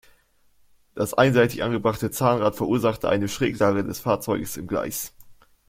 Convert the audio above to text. Das einseitig angebrachte Zahnrad verursachte eine Schräglage des Fahrzeuges im Gleis.